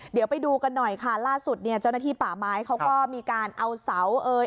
เดี๋ยวไปดูกันหน่อยค่ะล่าสุดเนี่ยเจ้าหน้าที่ป่าไม้เขาก็มีการเอาเสาเอ่ย